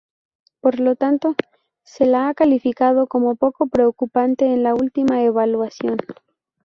Por lo tanto, se lo ha calificado como poco preocupante en la última evaluación.